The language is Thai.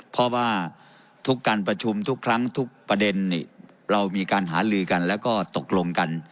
เพราะว่าทุกการประชุมทุกครั้งทุกประเด็นเรามีการหาลือกันแล้วก็ตกลงกัน